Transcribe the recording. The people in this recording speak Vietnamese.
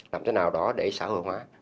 làm thế nào đó để xã hội hóa